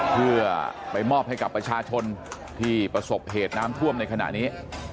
เพื่อไปมอบให้กับประชาชนที่ประสบเหตุน้ำท่วมในขณะนี้